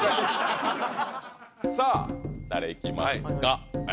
さぁ誰いきますか？